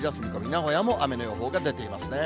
名古屋も雨の予報が出ていますね。